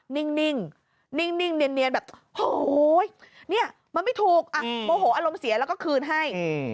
นิ่งนิ่งเนียนแบบโหยเนี่ยมันไม่ถูกโมโหอารมณ์เสียแล้วก็คืนให้